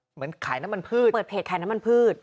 เหมือนขายน้ำมันพืชเปิดเพจขายน้ำมันพืช